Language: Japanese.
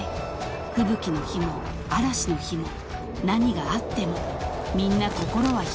［吹雪の日も嵐の日も何があってもみんな心は一つ］